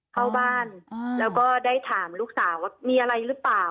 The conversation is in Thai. เข้าบ้านแล้วก็ได้ถามลูกสาวว่ามีอะไรหรือเปล่า